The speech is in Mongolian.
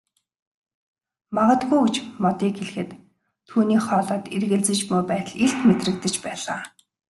Магадгүй гэж Модыг хэлэхэд түүний хоолойд эргэлзэж буй байдал илт мэдрэгдэж байлаа.